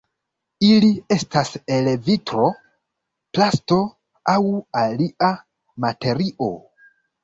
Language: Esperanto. Ili estas el vitro, plasto, aŭ alia materio.